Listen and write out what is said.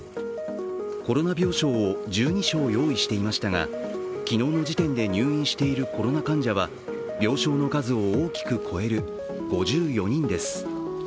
コロナ病床を１２床用意していましたが昨日の時点で入院しているコロナ患者は病床の数を大きく超える５４人です。